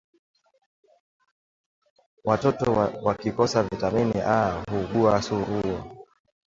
Watoto wakikosa vitamini A huugua surua